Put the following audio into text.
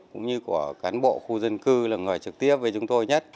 cũng như của cán bộ khu dân cư là người trực tiếp với chúng tôi nhất